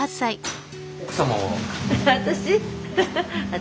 私？